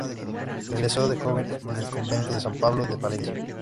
Ingresó de joven en el Convento de San Pablo de Palencia.